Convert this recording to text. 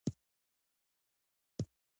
ایا زما شکر به ښه شي؟